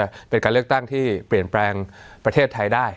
ก็หวังว่าจะเป็นการเลือกตั้งที่เปลี่ยนแปลงประเทศไทยได้